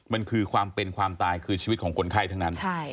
มันคือความเป็นความตายคือชีวิตของคนไข้ทั้งนั้น